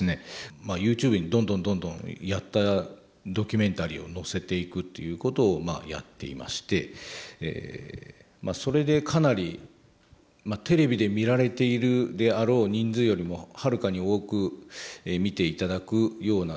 まあＹｏｕＴｕｂｅにどんどんどんどんやったドキュメンタリーをのせていくということをやっていましてそれでかなりテレビで見られているであろう人数よりもはるかに多く見ていただくようなケースも出てきていまして。